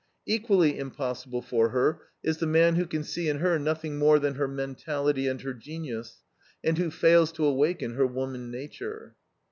Equally impossible for her is the man who can see in her nothing more than her mentality and her genius, and who fails to awaken her woman nature.